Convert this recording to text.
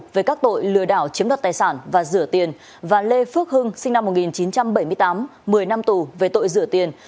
về các tội lừa đảo chiếm đoạt tài sản và rửa tiền và lê phước hưng sinh năm một nghìn chín trăm bảy mươi tám một mươi năm tù về tội rửa tiền